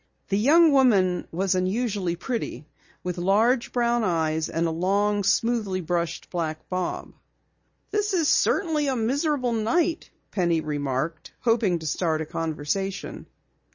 The young woman was unusually pretty with large brown eyes and a long, smoothly brushed black bob. "This is certainly a miserable night," Penny remarked, hoping to start a conversation.